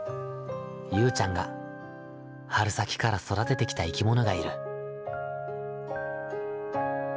ゆうちゃんが春先から育ててきた生き物がいる。